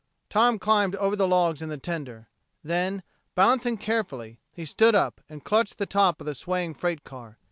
Tom climbed over the logs in the tender; then, balancing carefully, he stood up and clutched the top of the swaying freight car.